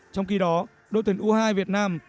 trong khi đó đội tuyển u hai mươi hai việt nam